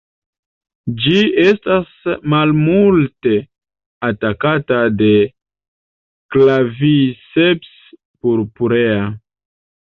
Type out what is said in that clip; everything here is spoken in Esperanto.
Ĝi estas malmulte atakata de "Claviceps purpurea".